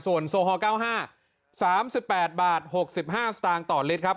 ส่วนโซฮอล๙๕๓๘บาท๖๕สตางค์ต่อลิตรครับ